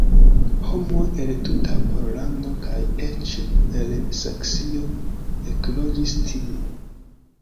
Homoj el tuta Pollando kaj eĉ el Saksio ekloĝis tie.